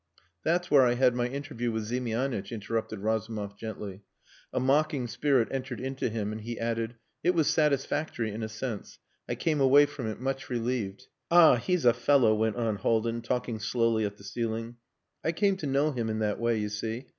"That's where I had my interview with Ziemianitch," interrupted Razumov gently. A mocking spirit entered into him and he added, "It was satisfactory in a sense. I came away from it much relieved." "Ah! he's a fellow," went on Haldin, talking slowly at the ceiling. "I came to know him in that way, you see.